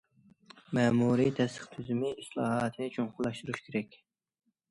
مەمۇرىي تەستىق تۈزۈمى ئىسلاھاتىنى چوڭقۇرلاشتۇرۇش كېرەك.